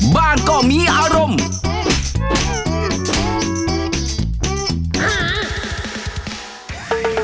บ้านก็มีอารมณ์